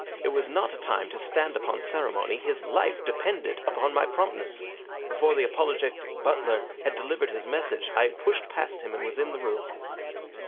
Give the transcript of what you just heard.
It was not a time to stand upon ceremony. His life depended upon my promptness. Before the apologetic butler had delivered his message I had pushed past him and was in the room.